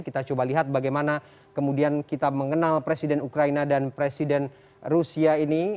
kita coba lihat bagaimana kemudian kita mengenal presiden ukraina dan presiden rusia ini